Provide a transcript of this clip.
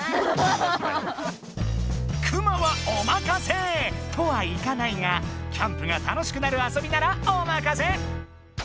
クマはおまかせ！とはいかないがキャンプが楽しくなる遊びならおまかせ！